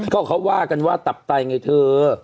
ก็เขาว่ากันว่าตับไตไงเธอ